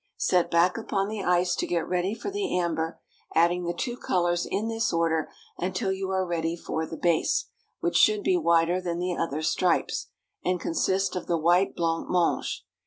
Set back upon the ice to get ready for the amber, adding the two colors in this order until you are ready for the base, which should be wider than the other stripes, and consist of the white blanc mange.